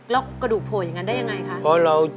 แล้วกระดูกโผล่อย่างนั้นได้ยังไงคะ